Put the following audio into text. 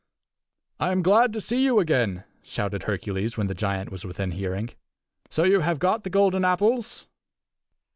"I am glad to see you again," shouted Hercules when the giant was within hearing. "So you have got the golden apples?"